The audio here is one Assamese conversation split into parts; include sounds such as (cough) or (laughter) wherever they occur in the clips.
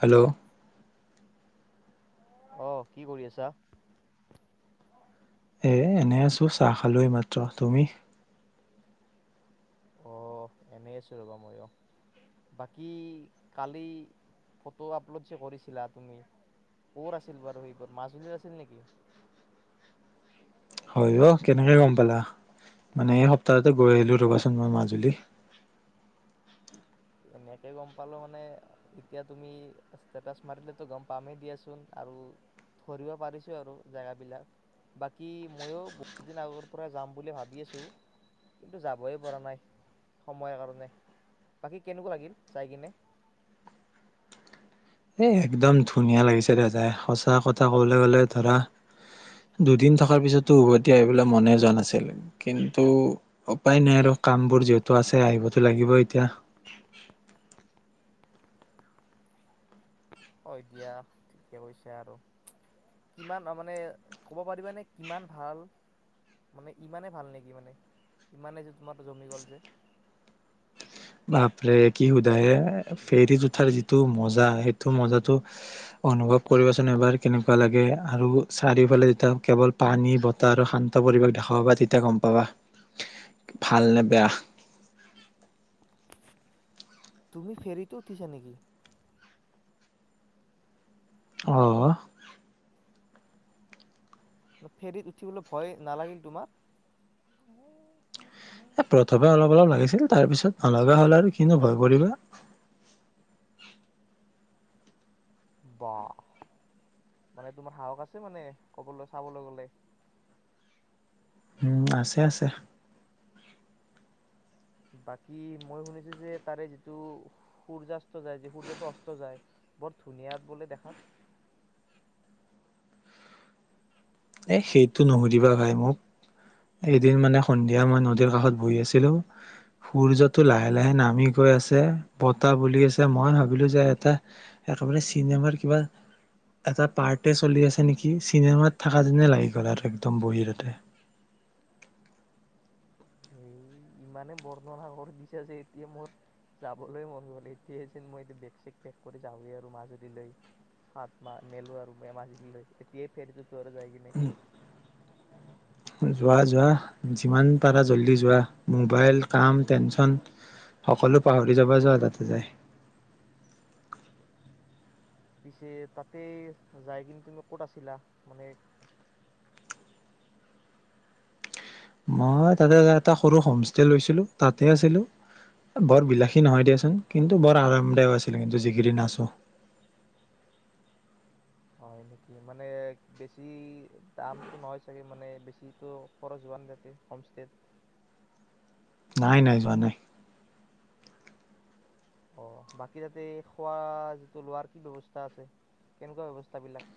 হেল্ল' অ কি কৰি আছা এ এনে আছো চাহ খালোৱেই মাত্ৰ তুমি অ এনেই আছো ৰ'বা মই অ বাকী কালি ফটো আপলোড যে কৰিছিলা তুমি কত আছিল বাৰু সেইবোৰ মাজুলীৰ আছিল নেকি হয় অ কেনেকে গম পালা মানে এই সপ্তাহতে গৈ আহিলো ৰ'বাচোন মই মাজুলী এনেকে গম পালো মানে এতিয়া তুমি ষ্টেটাছ মাৰিলো গম পামেই দিয়াচোন আৰু ধৰিব মানেপাৰিছো আৰু জেগাবিলাক বাকী ময়ো বহুত দিন আগৰ পৰা যাম বুলি ভাবি আছো কিন্তু যাবই পৰা নাই সময়ৰ কাৰণে বাকী কেনেকুৱা লাগিল চাই কিনে এ একদম ধুনীয়া লাগিছে দাদাই সঁচা কথা কবলৈ গলে ধৰা দুদিন থকাৰ পিছতো উভতি আহিবলৈ মনে যোৱা নাছিল কিন্তু উপায় নাই আৰু কামবোৰ যিহেতু আছে আহিবতো লাগিবই এতিয়া হয় দিয়া ঠিকে কৈছা আৰু কিমান মানে ক'ব পাৰিবাানে কিমান ভাল মানে ইমানে ভাল নেকি মানে ইমানে যে তোমাৰ জমি গ'ল যে বাপৰে কি সোধায়ে ফেৰীত উঠাৰ যিটো মজা সেইটো মজাটো অনুভৱ কৰিবাচোন এবাৰ কেনেকুৱা লাগে আৰু চাৰিওফালে যেতিয়া কেৱল পানী বতাহ আৰু শান্ত পৰিৱেশ দেখা পাবা তেতিয়া গম পাবা ভাল নে বেয়া তুমি ফেৰিত উঠিছা নেকি অহ ফেৰিত উঠিবলৈ ভয় নালাগিল তোমাৰ এ প্ৰথমে অলপ অলপ লাগিছিল তাৰ পিছত নলগা হ'ল আৰু কিনো ভয় কৰিবা। বা মানে তোমাৰ সাহস আছে মানে কবলৈ চাবলৈ গলে। উম আছে আছে বাকী মই শুনিছো যে তাৰে যিটো সূৰ্যাস্ত যায় য সূৰ্যটো অস্ত যায় বৰ ধুনীয়া বোলে দেখাত এ সেইটো নুসুধিবা ভাই মোক এদিন মানে সন্ধিয়া মই নদীৰ কাষত বহি আছিলো সূৰ্যটো লাহে লাহে নামি গৈ আছে বতাহ বলি আছে মই ভাবিলো যে এটা একেবাৰে চিনেমাৰ কিবা এটা পাৰ্টে চলি আছে নেকি চিনেমাত থকা দিনে লাগি গল আৰু একদম বহিতে। এই ইমানে বৰ্ণনাাগৰ দিছো যে এতিয়া মোৰ যাবলৈয় মন গল এতিয়া যেন মই বেগ চেগ পেক কৰি যাওঁৱে আৰু মাজুলীলৈ হাত মা মেলো আৰু মাজুলীলৈ এতিয়াই ফেৰটো ঘৰে যাই কি ন যোৱা যোৱা যিমান পাৰা জল্দি যোৱা মোবাইল কাম টেনচন সকলো পাহৰি যাব যোৱা তাতে যায় পিছে তাতে যাই কিন্তু তুমি ক'ত আছিলা মানে মই তাতে এটা সৰু হোমষ্টে লৈছিলো তাতে আছিলো বৰ বিলাসী নহয় দিয়াচোন কিন্তু বৰ আৰামদায়ক আছিলো কিন্তু যি কেইদিন আাছো হয় নেকি মানে বেছি দামতটো নহয় চাগে মানে বেছিতো খৰচ হোৱা নাই তাতে হোমষ্ট নাই নাই যোৱা নাই অ বাকী তাতে খোৱা যিটো লোৱাৰ কি ব্যৱস্থা আছে কেনেকুৱা ব্যৱস্থা বিলাক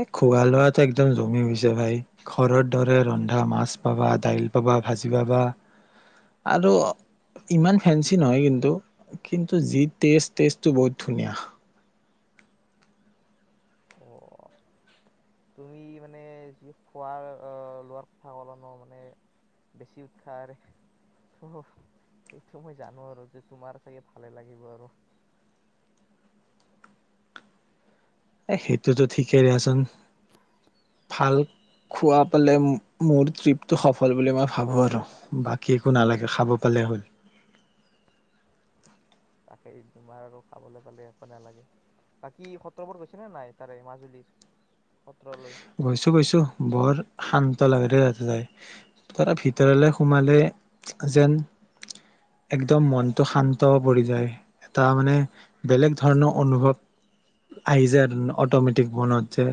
এই খোৱা লোৱাটো একদম জমি হৈছে ভাই ঘৰৰ দৰে ৰন্ধা মাছ পাবা দাইল পাবা ভাজি পাবা আৰু ইমান ফেঞ্চি নহয় কিন্তু কিন্তু যি টেষ্ট টেষ্টটো বহুত ধুনীয়া অ তুমি মানে যি খোৱা লোৱাৰ কথা কল ন মানে বেছি উৎসাহৰে ত সেইটো মই জানো আৰু যে তোমাৰ চাগে ভালে লাগিব আৰু এ সেইটোতো ঠিকেই দেচোন ভাল খোৱা পালে মোৰ ট্ৰিপটো সফল বুলি মই ভাবো আৰু বাকী একো নালাগে খাব পালে হ'ল। তাকে তোমাৰ আৰু খাবলৈ পালে একো নালাগে বাকী সত্ৰবোৰ হৈছে নে নাই তাৰে মাজুলীৰ সত্ৰলৈ গৈছো গৈছো বৰ শান্তি লেতেৰা ভিতৰলে সোমালে যেন একদম মনটো শান্ত পৰি যায় এটা মানে বেলেগ ধৰণৰ অনুভৱ আহি যায় আৰু অটমেটিক মনত যে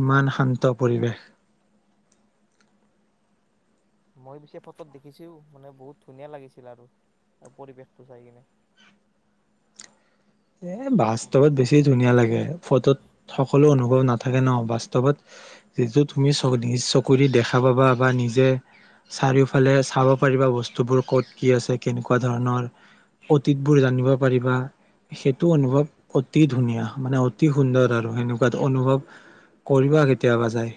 ইমান শান্ত পৰিৱেশ মই পিছে ফটোত দেখিছো মানে বহুত ধুনীয়া লাগিছিল আৰু পৰিৱেশটো চাই কিনে এ বাস্তৱত বেছি ধুনীয়া লাগে ফটোত সকলো অনুভৱ নাথাকে ন বাস্তৱত যিটো তুমি নিজ চকুৰি দেখা পাবা বা নিজে চাৰিওফালে চাব পাৰিবা। বস্তুবোৰ ক'ত কি আছে কেনেকুৱা ধৰণৰ অতীতবোৰ জানিব পাৰিবা। সেইটো অনুভৱ অতি ধুনীয়া মানে অতি সুন্দৰ আৰু এনেকুৱা অনুভৱ কৰিব কেতিয়াবা যায়।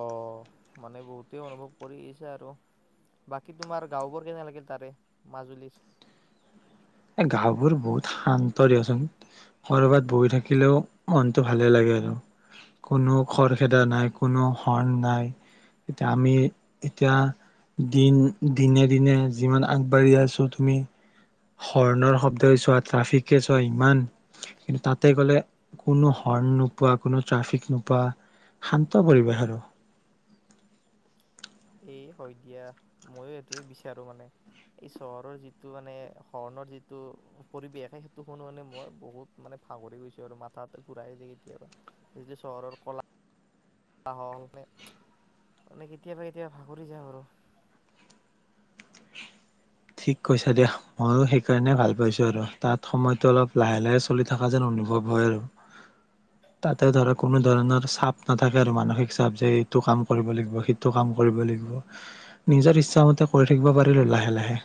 অ মানে বহুতে অনুভৱ কৰিছে। আৰু বাকী তোমাৰ গাঁওবোৰ কেনে লাগিল তাৰে মাজুলী। এ গাঁওবোৰ বহুত শান্ত দিয়াচোন কৰ'বাত বহি থাকিলেও মনটো ভালে লাগে আৰু কোনো খৰখেদা নাই কোনো হৰ্ণ নাই এতিয়া আমি এতিয়া দিন দিনে দিনে যিমান আগবাঢ়ি আছোঁ তুমি। হৰ্ণৰ শব্দই চোৱা ট্ৰাফিকে চোৱা ইমান কিন্তু তাতে গ'লে কোনো হৰ্ণ নোপোৱা কোনো ট্ৰাফিক নোপোৱা শান্ত পৰিৱেশ আৰু এই হয় দিয়া মইো সেইটোৱে বিচাৰো মানে এই চহৰৰ যিটো মানে হৰ্ণৰ যিটো পৰিৱেশ সেইটো শুনোানে মই বহুত মানে ভাগৰি গৈছো আৰু মাথা ঘুৰাই যায় কেতিয়াবা যিটো চহৰৰ কলা মানে কেতিয়াবা কেতিয়াবা ভাগৰি যাওঁ আৰু ঠিক কৈছা দিয়া ময়ো সেইকাৰণে ভাল পাইছোঁ আৰু তাত সময়তটো অলপ লাহে লাহে চলি থকা যেন অনুভৱ হয় আৰু তাতে ধৰা কোনো ধৰণৰ চাপ নাথাকে আৰু মানসিক চাপ যে এইটো কাম কৰিব লাগিব সিটো কাম কৰিব লাগিব নিজৰ ইচ্ছাামতে কৰি থাকিব পাৰিলো লাহে লাহে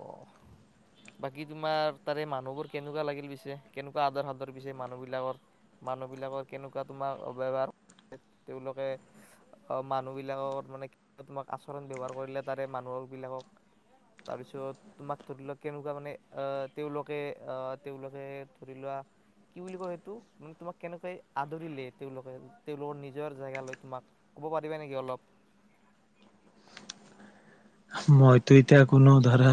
অ বাকী তোমাৰ তাৰে মানুহবোৰ কেনেকুৱা লাগিল পিছে কেনেকুৱা আদৰ সাদৰ পিছে মানুহ বিলাকৰ মানুহ বিলাকৰ কেনেকুৱা তোমাক ব্যৱহাৰ তেওঁলোকে মানুহ বিলাকৰ মানে তোমাক আচৰণ ব্যৱহাৰ কৰিলে তাৰে মানুহ বিলাকক তাৰপিছত তোমাক ধৰি লওক কেনেকুৱা মানে অহ তেওঁলোকে অহ তেওঁলোকে ধৰি লোৱা কি বুলি কয় সেইটো মানে তোমাক কেনেকই আদৰিলে তেওঁলোকে তেওঁলোকৰ নিজৰ জেগা লৈ তোমাক কব পাৰিবা নেকি অলপ মইতো এতিয়া কোনো ধৰা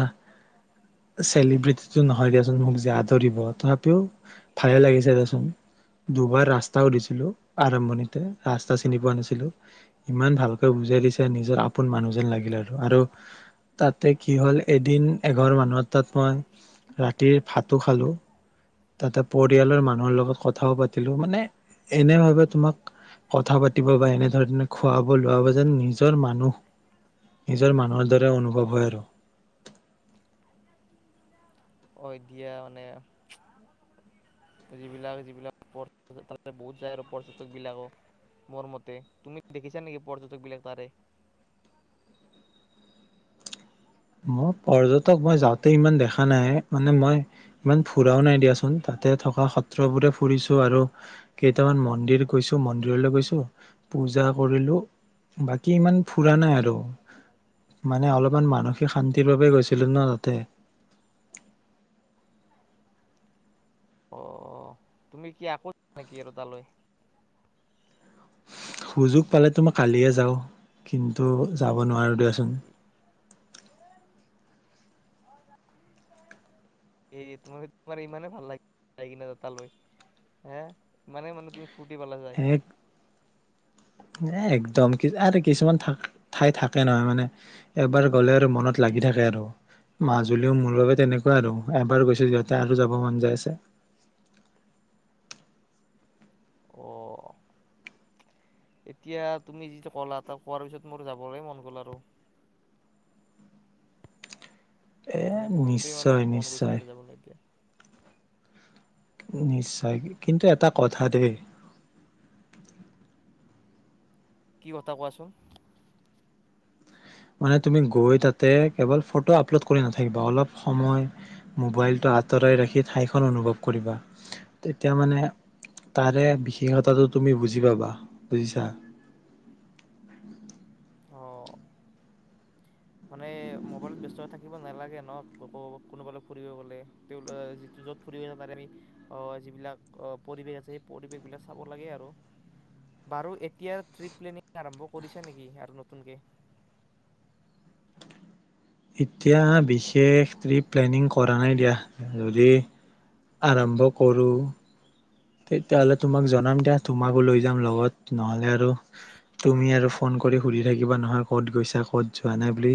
চেলিব্ৰিটিটো নহয় দিয়াচোন মোক আদৰিব তথাপিও ভালে লাগিছে দেচোন দুবাৰ ৰাস্তাও দিছিলো আৰম্ভণিতে ৰাস্তা চিনি পোৱা নাছিলো ইমান ভালকৈ বুজাই দিছে নিজৰ আপোন মানুহ যেন লাগিল আৰু আৰু তাতে কি হ'ল এদিন এঘৰ মানুহত তাত মই ৰাতিৰ ভাতো খালো তাতে পৰিয়ালৰ মানুহৰ লগত কথাও পাতিলো মানে এনে ভাবে তোমাক কথা পাতিব বা এনেধৰণে খুৱাব লোৱাব যেন নিজৰ মানুহ নিজৰ মানুহৰ দৰে অনুভৱ হয় আৰু অ এতিয়া মানে যিবিলাক যিবিলাক পৰ তাৰে বহুত যায় আৰু পৰ্যটক বিলাকো মোৰ মতে তুমি দেখিছা নেকি পৰ্যটক বিলাক তাৰে মই পৰ্যটক মই যাওঁতে ইমান দেখা নাই মানে মই ইমান ফুৰাও নাই দিয়াচোন তাতে থকা সত্ৰবোৰে ফুৰিছো আৰু কেইটামান মন্দিৰ গৈছো মন্দিৰলৈ গৈছো পূজা কৰিলো বাকী ইমান ফুৰা নাই আৰু মানে অলপমান মানসিক শান্তিৰ বাবে গৈছিলো ন তাতে অ তুমি কি আকৌ নেকি আৰু তালৈ সুযোগ পালে তো মই কালিয়ে যাওঁ কিন্তু যাব নোৱাৰো ৰৈ আছো এই তোমাৰ তোমাৰ ইমানে ভাল লাগে যায় কি তালৈ হে ইমানে মানে তুমি ফুটি পেলা যায় এক এ একদম আৰু কিছুমান ঠাই থাকে নহয় মানে এবাৰ গলে আৰু মনত লাগি থাকে আৰু মাজুলীও মোৰ বাবে তেনেকুৱা আৰু এবাৰ গৈছো যিহতে আৰু যাব মন যায় আছে অ এতিয়া তুমি যিটো কলা ত কোৱাৰ পিছত মোৰ যাবলৈ মন গ'ল আৰু এ মানে বহুতেই মানে নিশ্চয় মন গৈছে নিশ্চয় আৰু যাবলৈ এতিয়া নিশ্চয় কিন্তু এটা কথা দেই কি কথা কোৱাচোন মানে তুমি গৈ তাতে কেৱল ফটো আপলোড কৰি নাথাকিবা অলপ সময় মোবাইলটো আঁতৰাই ৰাখি ঠাইখন অনুভৱ কৰিবা তেতিয়া মানে তাৰে বিশেষতাটো তুমি বুজি পাবা বুজিছা অ মানে মবাইলত ব্যস্ত থাকিব নালাগে ন কোনোবালৈ ফুৰিব গলে যিটো য'ত ফুৰিব তাৰে যিবিলাক পৰিবেশ আছে সেই পৰিবেশ বিলাক চাব লাগে আৰু বাৰু এতিয়াৰ পৰা প্লেনিং আৰম্ভ কৰিছা নেকি আৰু নতুনকে এতিয়া বিশেষ ট্ৰিপ প্লেনিং কৰা নাই দিয়া যদি আৰম্ভ কৰোঁ তেতিয়াহলে তোমাক জনাম দিয়া তোমাকো লৈ যাম লগত নহলে আৰু তুমি আৰু ফোন কৰি সুধি থাকিবা নহয় ক'ত গৈছা ক'ত যোৱা নাই বুলি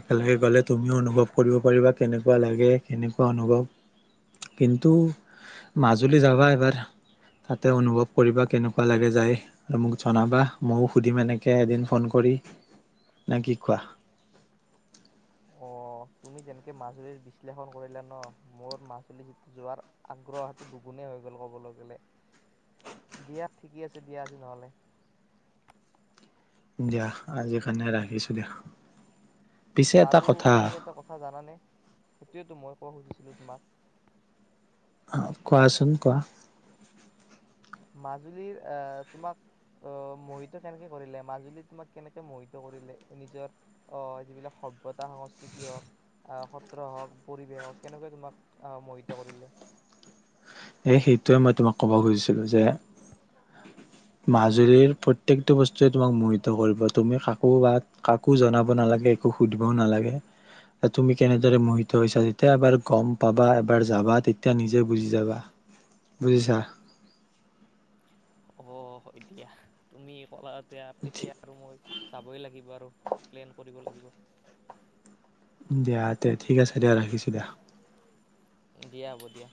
একেলগে গলে তুমিও অনুভৱ কৰিব পাৰিবা কেনেকুৱা লাগে কেনেকুৱা অনুভৱ কিন্তু মাজুলী যাবা তাতে অনুভৱ কৰিবা কেনেকুৱা লাগে যায় আৰু মোক জনাবা মইয়ো সুধিম এনেকে এদিন ফোন কৰি নে কি কোৱা অ' তুমি যেনেকে মাজুলীৰ বিশ্লেষণ কৰিলা ন মোৰ মাজুলী যোৱাৰ আগ্ৰহটো দুগুণেই হৈ গল কবলৈ গলে দিয়া ঠিকেই আছে দিয়া আজি নহলে দিয়া আজি কাৰণে ৰাখিছো দিয়া পিছে এটা বাৰু কথা তুমি এটা কথা জানানে সেইটোয়ো মই কব খুজিছিলো তোমাক কোৱাচোন কোৱা মাজুলীৰ আহ তোমাক আহ মোহিত কেনেকৈ কৰিলে মাজুলী তোমাক কেনেকৈ মোহিত কৰিলে নিজৰ আহ যিবিলাক সভ্যতা সংস্কৃতি হওক আহ সত্ৰ হওক পৰিৱেশ হওক কেনেকে তোমাক আহ মোহিত কৰিলে এ সেইটোৱে মই তোমাক ক'ব খুজিছিলো যে মাজুলীৰ প্ৰতি প্ৰত্যেকটো বস্তুৱে তোমাক মোহিত কৰিব তুমি কাকো বা কাকো জনাব নালাগে একো সুধিবও নালাগে তুমি কেনেদৰে মোহিত হৈছা যেতিয়া এবাৰ গম পাবা এবাৰ যাবা তেতিয়া নিজে বুজি যাবা বুজিছা অ' এতিয়া তুমি ক'লাত তেতিয়া এতিয়া আৰু মই যাবই লাগিব আৰু প্লেন কৰিব লাগিব থিব (inaudible) দিয়া তে ঠিক আছে দিয়া ৰাখিছোঁ দিয়া দিয়া হ'ব দিয়া